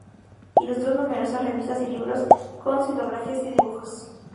Ilustró numerosas revistas y libros con xilografías y dibujos.